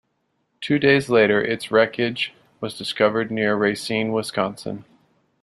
Two days later its wreckage was discovered near Racine, Wisconsin.